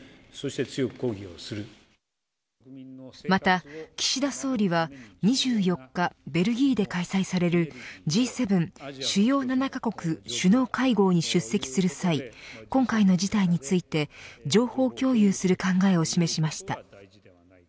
また、岸田総理は２４日ベルギーで開催されるＧ７主要７カ国首脳会合に出席する際今回の事態について情報共有する考えを示しました。